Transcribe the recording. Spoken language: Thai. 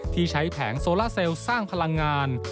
ที่ใช้แผงโซล่าเซลสร้างพลังงาน